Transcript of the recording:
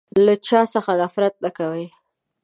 له چا څخه نفرت نه کوی.